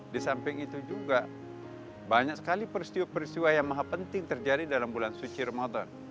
di samping itu juga banyak sekali peristiwa peristiwa yang maha penting terjadi dalam bulan suci ramadan